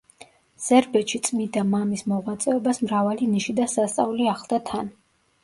სერბეთში წმიდა მამის მოღვაწეობას მრავალი ნიში და სასწაული ახლდა თან.